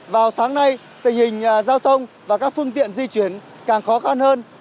vào sáng nay tình hình giao thông và các phương tiện di chuyển càng khó khăn hơn